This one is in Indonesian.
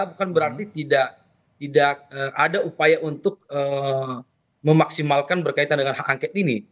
bukan berarti tidak ada upaya untuk memaksimalkan berkaitan dengan hak angket ini